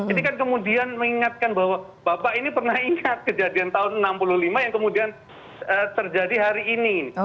ini kan kemudian mengingatkan bahwa bapak ini pernah ingat kejadian tahun seribu sembilan ratus enam puluh lima yang kemudian terjadi hari ini